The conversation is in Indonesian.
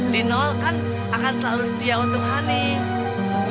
lino kan akan selalu setia untuk honey